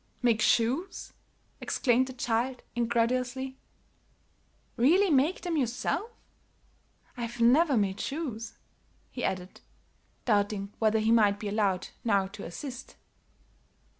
"Make shoes!" exclaimed the child, incredulously. "Really make them yourself? I've never made shoes," he added, doubting whether he might be allowed now to assist.